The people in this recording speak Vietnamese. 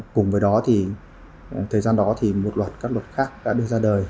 cùng với đó thì thời gian đó thì một loạt các luật khác đã đưa ra đời